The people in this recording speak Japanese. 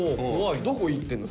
どこいってんの？